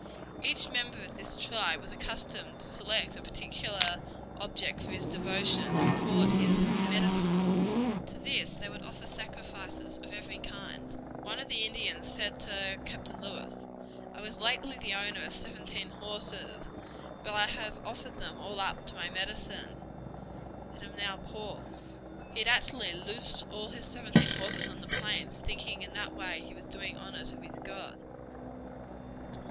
Each member of this tribe was accustomed to select a particular object for his devotion, and call it his "medicine." To this they would offer sacrifices of every kind. One of the Indians said to Captain Lewis, "I was lately the owner of seventeen horses; but I have offered them all up to my 'medicine,' and am now poor." He had actually loosed all his seventeen horses on the plains, thinking that in that way he was doing honor to his god.